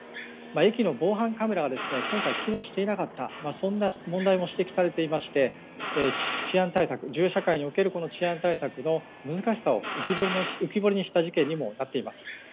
駅の防犯カメラが今回、機能していなかったそんな問題も指摘されていまして銃社会における治安対策の難しさを浮き彫りにした事件にもなっています。